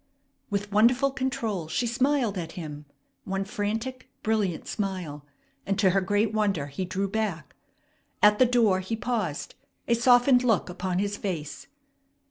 With wonderful control she smiled at him, one frantic, brilliant smile; and to her great wonder he drew back. At the door he paused, a softened look upon his face.